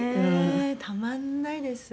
たまんないです。